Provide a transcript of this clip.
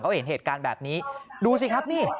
เขาเห็นเหตุการณ์แบบนี้ดูสิครับนี่